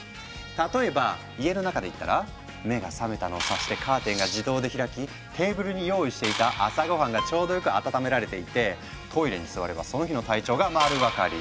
例えば家の中でいったら目が覚めたのを察してカーテンが自動で開きテーブルに用意していた朝ごはんがちょうどよく温められていてトイレに座ればその日の体調が丸分かり。